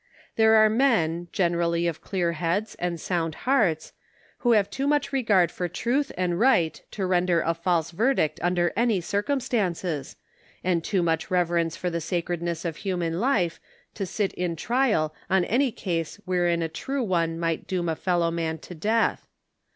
There are men, general ly of clear heads and sound hearts, who have too much regard for truth and right to render a false verdict under any circum stances, and too much reverence for the sacredness of human life to sit in trial on any case wherein a true one might doom a fellow man to death.